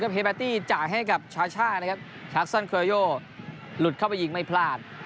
ก็ให้กับชาช่านะครับลุดเข้าไปยิงไม่พลาด